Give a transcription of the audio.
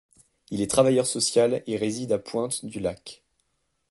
Il est travailleur social et réside à Pointe-du-Lac.